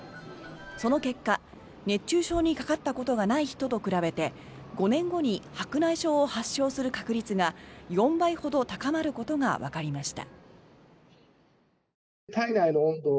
その結果、熱中症にかかったことがない人と比べて５年後に白内障を発症する確率が４倍ほど高まることがわかりました。